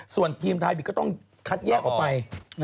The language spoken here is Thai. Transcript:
ส่วนทีมไทยบิกก็ต้องคัดแยกออกไป